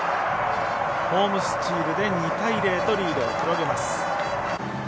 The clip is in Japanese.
ホームスチールで２対０とリードを広げます。